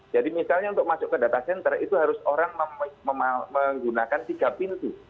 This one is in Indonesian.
jadi misalnya untuk masuk ke data center itu harus orang menggunakan tiga pintu